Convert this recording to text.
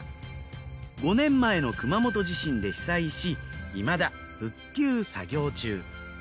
５年前の熊本地震で被災しいまだ復旧作業中。